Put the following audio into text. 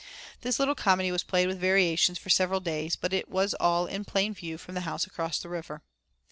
This little comedy was played with variations for several days, but it was all in plain view from the house across the river.